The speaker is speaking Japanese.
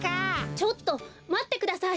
ちょっとまってください。